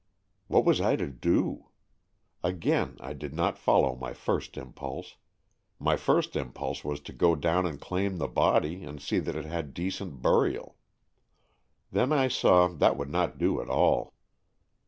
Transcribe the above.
What was I to do ? Again I did not follow my first impulse. My first impulse was to go down and claim the body and see that it had decent burial. Then I saw that would not do at all.